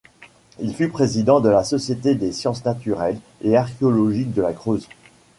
Il fut président de la société des sciences naturelles et archéologiques de la Creuse.